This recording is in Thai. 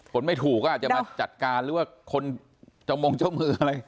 คนไม่ถูกก็อาจจะมาจัดการหรือว่าคนเจ้ามงเจ้ามืออะไร